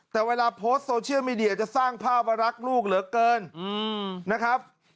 แต่เวลาโพสต์โซเชียลมีเดียจะสร้างภาพว่ารักลูกเหลือเกินนะครับ